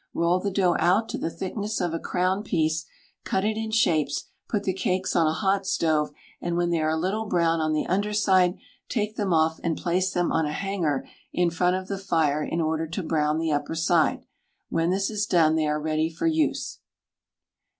Roll the dough out to the thickness of a crown piece, cut it in shapes, put the cakes on a hot stove, and when they are a little brown on the underside, take them off and place them on a hanger in front of the fire in order to brown the upper side; when this is done they are ready for use.